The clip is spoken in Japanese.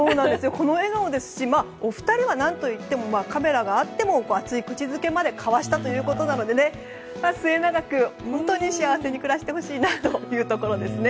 この笑顔ですし、お二人はカメラがあっても熱い口づけまで交わしたということなので末永く本当に幸せに暮らしてほしいなというところですね。